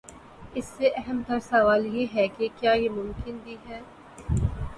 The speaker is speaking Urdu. اس سے اہم تر سوال یہ ہے کہ کیا یہ ممکن بھی ہے؟